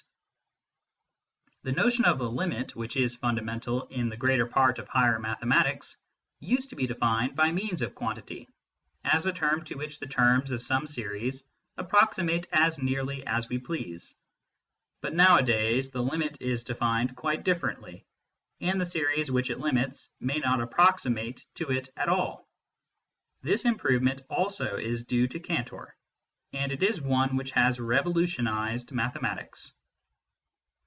92 MYSTICISM AND LOGIC The notion of a limit, which is fundamental in the greater part of higher mathematics, used to be defined by means of quantity, as a term to which the terms of some series approximate as nearly as we please. But nowadays the limit is denned quite differently, and the series which it limits may not approximate to it at all. This improve ment also is due to Cantor, and it is one which has revolutionised mathematics.